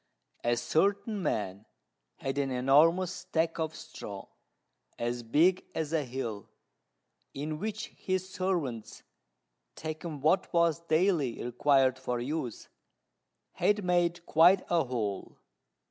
A certain man had an enormous stack of straw, as big as a hill, in which his servants, taking what was daily required for use, had made quite a hole.